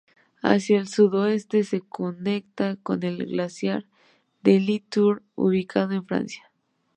Hacia el sudoeste se conecta con el glaciar de Le Tour, ubicado en Francia.